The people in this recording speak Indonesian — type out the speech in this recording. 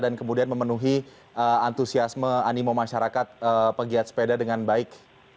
kemudian memenuhi antusiasme animo masyarakat pegiat sepeda dengan baik